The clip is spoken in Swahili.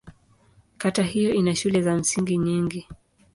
Kata hiyo ina shule za msingi nyingi.